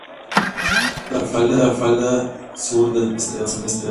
Está en la falda sur del parque San Esteban.